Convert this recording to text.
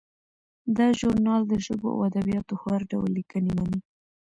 دا ژورنال د ژبو او ادبیاتو هر ډول لیکنې مني.